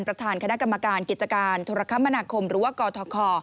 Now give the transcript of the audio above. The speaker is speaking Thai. ประธานคณะกรรมการกิจการโทรคมนาคมหรือว่ากทค